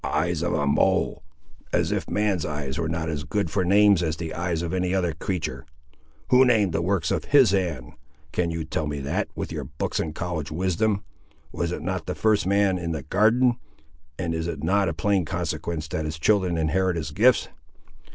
"Eyes of a mole! as if man's eyes were not as good for names as the eyes of any other creatur'! Who named the works of His hand? can you tell me that, with your books and college wisdom? Was it not the first man in the Garden, and is it not a plain consequence that his children inherit his gifts?"